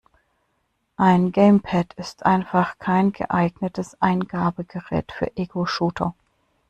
Ein Gamepad ist einfach kein geeignetes Eingabegerät für Egoshooter.